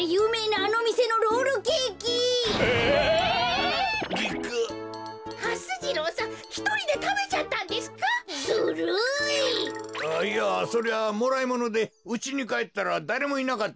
あっいやそれはもらいものでうちにかえったらだれもいなかったからつい。